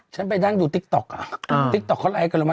ฉันไปด้านดูติ๊กต๊อกติ๊กต๊อกเขาไล่ให้กันแล้วมั้ย